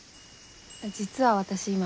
実は私今。